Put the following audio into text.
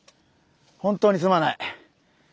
本当にすまない。